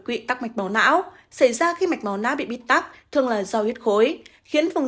quỵ tắc mạch máu não xảy ra khi mạch máu não bị bịt tắc thường là do huyết khối khiến vùng